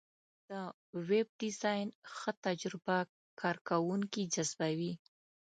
د ویب ډیزاین ښه تجربه کارونکي جذبوي.